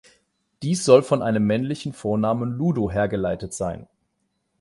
Dies soll von einem männlichen Vornamen "Ludo" hergeleitet sein.